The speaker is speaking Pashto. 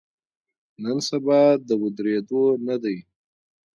نن سبا د ودریدو نه دی.